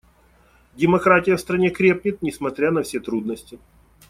Демократия в стране крепнет, несмотря на все трудности.